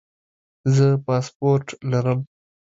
زه پاسپورټ لرم